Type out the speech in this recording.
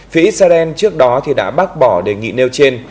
phía israel trước đó đã bác bỏ đề nghị nêu trên